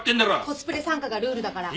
コスプレ参加がルールだから。